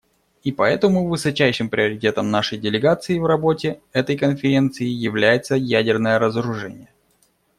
И поэтому высочайшим приоритетом нашей делегации в работе этой Конференции является ядерное разоружение.